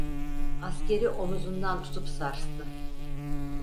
Askeri omuzundan tutup sarstı...